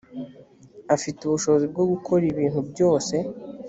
afite ubushobozi bwo gukora ibintu byose